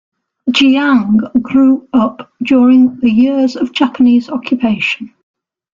Jiang grew up during the years of Japanese occupation.